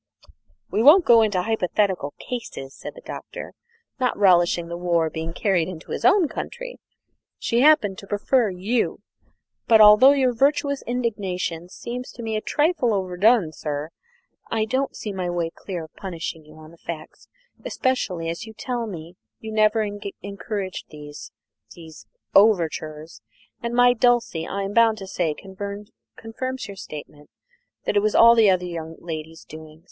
"We won't go into hypothetical cases," said the Doctor, not relishing the war being carried into his own country; "she happened to prefer you. But, although your virtuous indignation seems to me a trifle overdone, sir, I don't see my way clear to punishing you on the facts, especially as you tell me you never encouraged these these overtures, and my Dulcie, I am bound to say, confirms your statement that it was all the other young lady's doing.